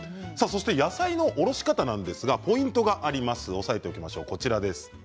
野菜のおろし方なんですがポイントがあります。